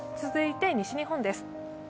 続いて西日本です。